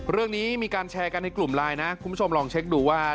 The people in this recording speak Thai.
เรื่องนี้มีการแชร์กันในกลุ่มไลน์นะคุณผู้ชมลองเช็คดูว่า